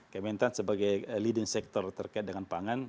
kementan sebagai leading sector terkait dengan pangan